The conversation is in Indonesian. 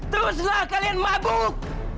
teruslah kalian mabuk